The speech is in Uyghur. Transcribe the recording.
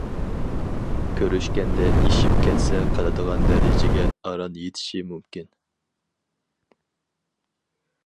كۆرۈشكەندە ئېشىپ كەتسە قىلىدىغان دەرىجىگە ئاران يېتىشى مۇمكىن.